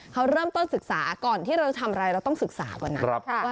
เขาเริ่มต้นศึกษาก่อนที่เราจะทำอะไรเราต้องศึกษาวันนั้น